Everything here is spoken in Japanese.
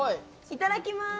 いただきまーす。